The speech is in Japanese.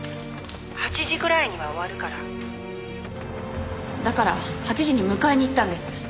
８時ぐらいには終わるから」だから８時に迎えに行ったんです。